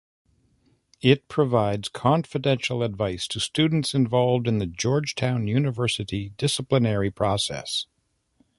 It provides confidential advice to students involved in the Georgetown University disciplinary process.